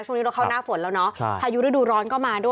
ช่วงนี้เราเข้าหน้าฝนแล้วเนาะพายุฤดูร้อนก็มาด้วย